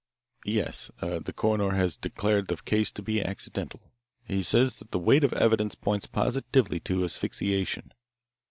"Yes, the coroner has declared the case to be accidental. He says that the weight of evidence points positively to asphyxiation.